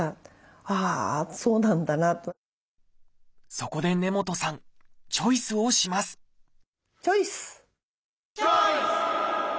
そこで根本さんチョイスをしますチョイス！